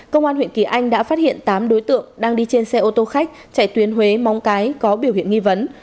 công an huyện kỳ anh đã phát hiện tám đối tượng đang đi trên xe ô tô khách chạy tuyến huế móng cái có biểu hiện nghi vấn